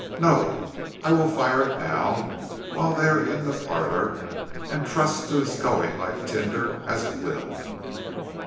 No, I will fire it now, while they are in the parlor, and trust to its going like tinder, as it will.